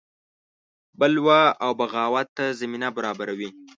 بلوا او بغاوت ته زمینه برابروي.